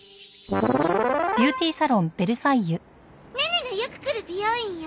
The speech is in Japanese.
ネネがよく来る美容院よ。